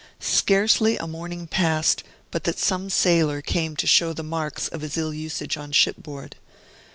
Scarcely a morning passed, but that some sailor came to show the marks of his ill usage on shipboard.